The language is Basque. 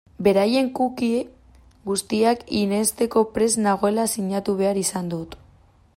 Beraien cookie guztiak irensteko prest nagoela sinatu behar izan dut.